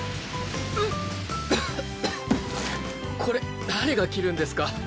これ誰が着るんですか？